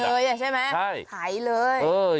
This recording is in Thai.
แล้วขายเลยใช่ไหมใช่ขายเลย